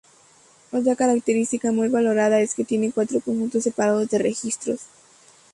Otra característica muy valorada es que tiene cuatro conjuntos separados de registros.